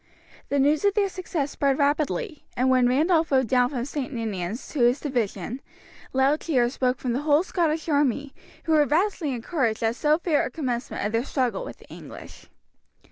The news of their success spread rapidly, and when Randolph rode down from St. Ninians to his division, loud cheers broke from the whole Scottish army, who were vastly encouraged at so fair a commencement of their struggle with the English.